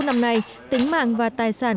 năm nay tính mạng và tài sản